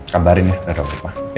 kabarin ya udah gak apa apa